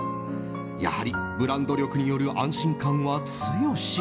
やはりブランド力による安心感は強し。